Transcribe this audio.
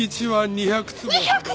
２００坪！？